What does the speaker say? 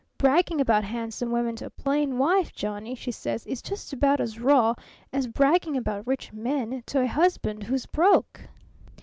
Bragging about handsome women to a plain wife, Johnny,' she says, 'is just about as raw as bragging about rich men to a husband who's broke.'